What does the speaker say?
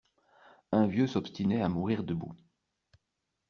Un vieux s'obstinait à mourir debout.